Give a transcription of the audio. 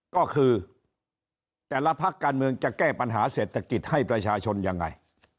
ก็คือแต่ละพักการเมืองจะแก้ปัญหาเศรษฐกิจให้ประชาชนยังไง